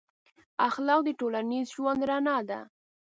اخلاق د ټولنیز ژوند رڼا ده.